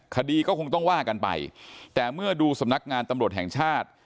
คดีก็คงต้องว่ากันไปแต่เมื่อดูสำนักงานตำรวจแห่งชาติ